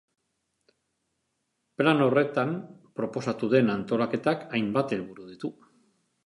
Plan horretan proposatu den antolaketak hainbat helburu ditu.